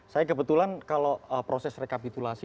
saya kebetulan kalau proses rekapitulasi